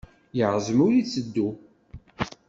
Yeɛzem ur itteddu.